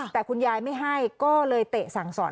แต่คุณยายไม่ให้ก็เลยเตะสั่งสอน